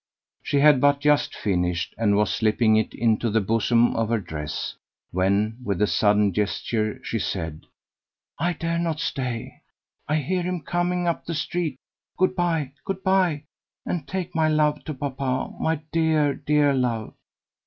She had but just finished, and was slipping it into the bosom of her dress, when, with a sudden gesture, she said, "I dare not stay. I hear him coming up the street. Good bye, good bye, and take my love to papa, my dear, dear love.